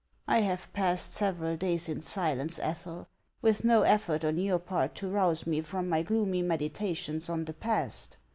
I have passed several days in silence, Ethel, with no effort on your part to rouse me from my gloomy meditations on the past.